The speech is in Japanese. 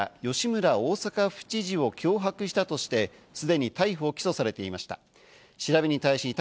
高野容疑者は西村経済産業大臣や、吉村大阪府知事を脅迫したとして、すでに逮捕・起訴されていました。